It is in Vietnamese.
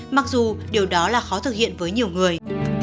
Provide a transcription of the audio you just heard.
mặc dù điều đó là khó thực hiện với nhiều người